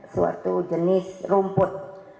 suatu jenis rumput